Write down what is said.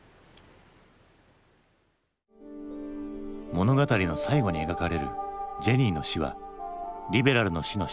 物語の最後に描かれるジェニーの死はリベラルの死の象徴か？